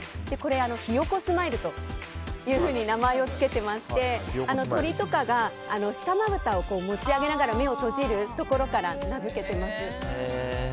ヒヨコスマイルというふうに名前を付けていまして鳥とかが下まぶたを持ち上げながら目を閉じるところから名付けています。